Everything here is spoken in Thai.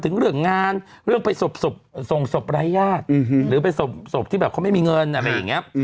ถึงเรื่องงานเรื่องไปส่งศพไร้ญาติหรือไปศพที่แบบเขาไม่มีเงินอะไรอย่างนี้